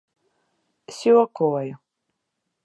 Es jokoju.